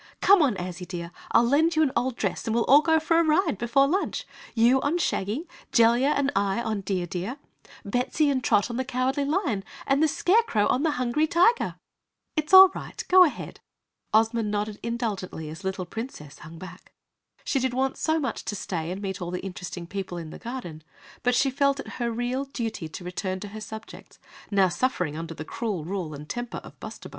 Come on Azzy, dear, I'll lend you an old dress and we'll all go for a ride before lunch! You, on Shaggy Jellia and I on Dear Deer Bettsy and Trot on the Cowardly Lion, and the Scarecrow on the Hungry Tiger!" "It's all right, go ahead," Ozma nodded indulgently as the little Princess hung back. She did want so much to stay and meet all the interesting people in the garden, but she felt it her real duty to return to her subjects, now suffering under the cruel rule and temper of Bustabo.